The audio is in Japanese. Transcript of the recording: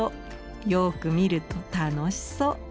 よく見ると楽しそう。